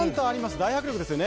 大迫力ですよね。